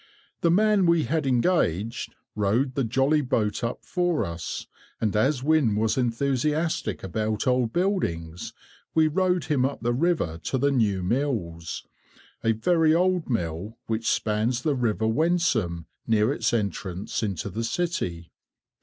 The man we had engaged rowed the jolly boat up for us, and as Wynne was enthusiastic about old buildings, we rowed him up the river to the New Mills, a very old mill, which spans the river Wensum near its entrance into the city.